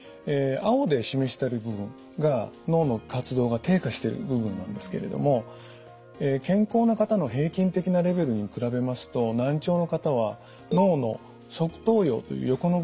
青で示してる部分が脳の活動が低下してる部分なんですけれども健康な方の平均的なレベルに比べますと難聴の方は脳の側頭葉という横の部分ですね。